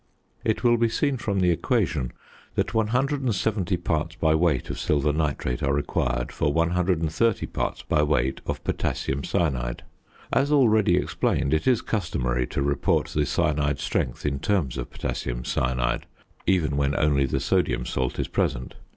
It will be seen from the equation that 170 parts by weight of silver nitrate are required for 130 parts by weight of potassium cyanide. As already explained it is customary to report the cyanide strength in terms of potassium cyanide, even when only the sodium salt is present.